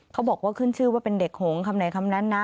เขาบอกว่าขึ้นชื่อว่าเป็นเด็กหงคำไหนคำนั้นนะ